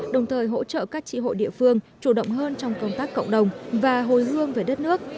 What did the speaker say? đồng thời hỗ trợ các trị hội địa phương chủ động hơn trong công tác cộng đồng và hồi hương về đất nước